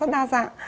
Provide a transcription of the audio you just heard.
rất đa dạng